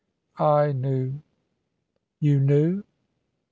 "I knew." "You knew?"